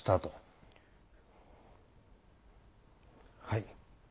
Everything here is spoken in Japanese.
はい。